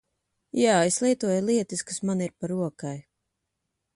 Jā, es lietoju lietas kas man ir pa rokai.